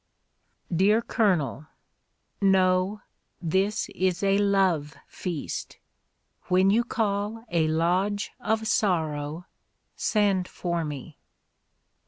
Dear Colonel — No, this is a love feast; when you call a lodge of sorrow send for me.